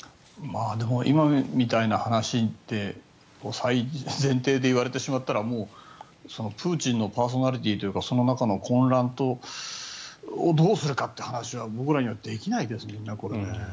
今みたいな話って前提って言われてしまったらもうプーチンのパーソナリティーというかその中の混乱をどうするかという話は僕らにはできないですよね。